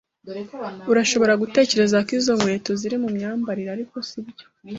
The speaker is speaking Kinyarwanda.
Urashobora gutekereza ko izo nkweto ziri mu myambarire, ariko sibyo.